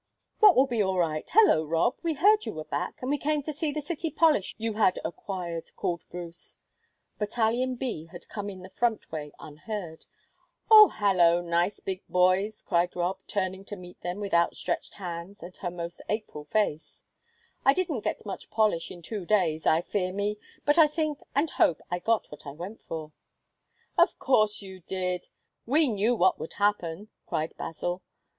"What will be all right? Hallo, Rob! We heard you were back, and we came to see the city polish you had acquired," cried Bruce. Battalion B had come in the front way unheard. "Oh, hallo, nice big boys," cried Rob, turning to meet them with outstretched hands and her most April face. "I didn't get much polish in two days, I fear me, but I think and hope I got what I went for." "Of course you did! We knew what would happen!" cried Basil.